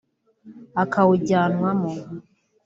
akawujyanwamo